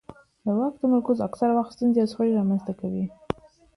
د واک تمرکز اکثره وخت د ستونزو او شخړو سبب ګرځي